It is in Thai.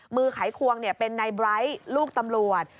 มือไขควงเป็นในไบร์ทลูกตำรวจ